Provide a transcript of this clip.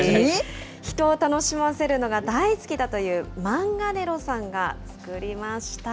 人を楽しませるのが大好きだという、マンガネロさんが作りました。